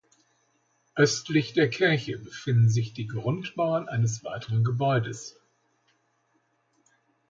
Östlich der Kirche befinden sich die Grundmauern eines weiteren Gebäudes.